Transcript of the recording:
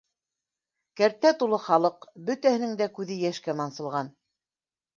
Кәртә тулы халыҡ, бөтәһенең дә күҙе йәшкә мансылған.